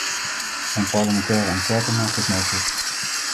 Een parlementaire enquête maakt dat mogelijk.